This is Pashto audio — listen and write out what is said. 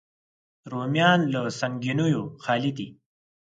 رومیان له سنګینیو خالي دي